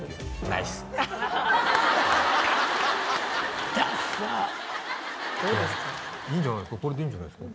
いいんじゃないですか？